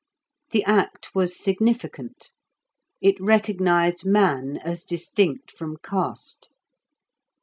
The act was significant; it recognised man as distinct from caste.